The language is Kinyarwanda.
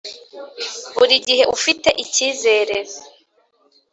buri gihe ufite ikizere.